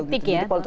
tahun politik ya